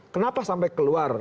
kenapa sampai keluar